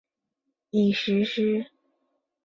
已实施。